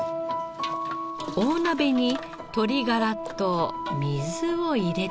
大鍋に鶏ガラと水を入れたら。